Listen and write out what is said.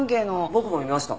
僕も見ました。